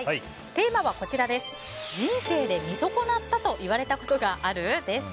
テーマは人生で見損なったと言われたことがある？です。